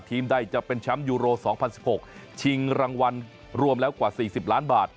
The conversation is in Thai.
ใดจะเป็นแชมป์ยูโร๒๐๑๖ชิงรางวัลรวมแล้วกว่า๔๐ล้านบาท